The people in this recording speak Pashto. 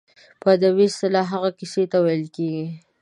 په ادبي اصطلاح هغې کیسې ته ویل کیږي.